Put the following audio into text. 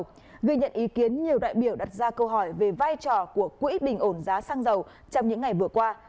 ghi nhận ý kiến nhiều đại biểu đặt ra câu hỏi về vai trò của quỹ bình ổn giá xăng dầu trong những ngày vừa qua